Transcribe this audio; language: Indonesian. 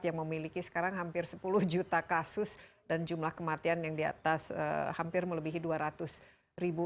yang memiliki sekarang hampir sepuluh juta kasus dan jumlah kematian yang di atas hampir melebihi dua ratus ribu